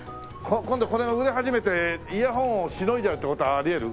今度これが売れ始めてイヤホンをしのいじゃうって事はあり得る？